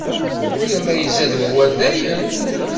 Tura ma izad wawal dayen.